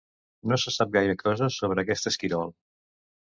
No se sap gaire cosa sobre aquest esquirol.